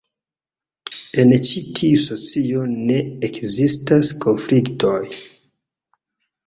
En ĉi tiu socio ne ekzistas konfliktoj.